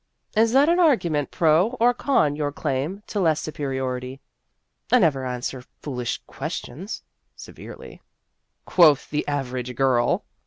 " Is that an argument pro or con your claim to less superiority ?"" I never answer foolish questions" se verely. " Quoth the average girl